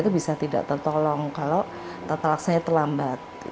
nah itu bisa tidak tertolong kalau tetap laksananya kita harus mencari cairan yang tepat ya